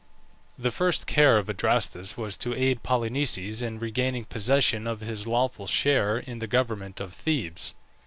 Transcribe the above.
The first care of Adrastus was to aid Polynices in regaining possession of his lawful share in the government of Thebes.